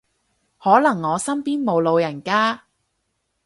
可能我身邊冇老人家